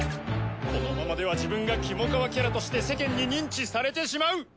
このままでは自分がキモカワキャラとして世間に認知されてしまう。